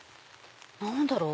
何だろう？